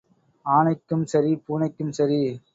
ஆனைக்கும் சரி, பூனைக்கும் சரி.